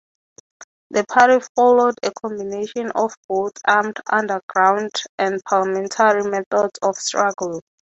The party followed a combination of both armed underground and parliamentary methods of struggle.